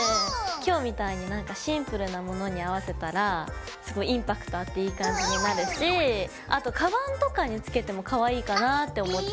今日みたいになんかシンプルなものに合わせたらすごいインパクトあっていい感じになるしあとカバンとかにつけてもかわいいかなって思った。